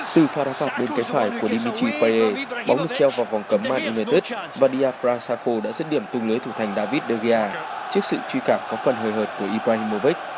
từ phao đá tọc đến cái phải của dimitri payet bóng được treo vào vòng cấm man utd và diafran sarko đã giết điểm tung lưới thủ thành david de gea trước sự truy cảm có phần hồi hợp của ibrahimovic